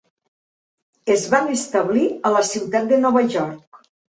Es van establir a la ciutat de Nova York.